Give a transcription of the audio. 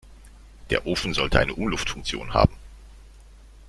Der Ofen sollte eine Umluftfunktion haben.